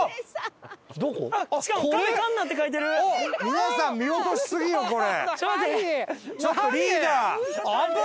皆さん見落としすぎよこれ！